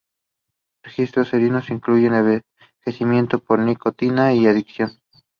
Members can also be from the independent bloc.